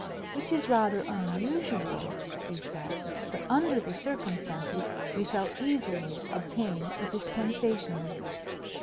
"Which is rather unusual," he said; "but under the circumstances we shall easily obtain a dispensation."